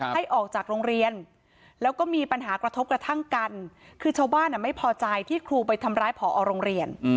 ให้ออกจากโรงเรียนแล้วก็มีปัญหากระทบกระทั่งกันคือชาวบ้านไม่พอใจที่ครูไปทำร้ายผอโรงเรียน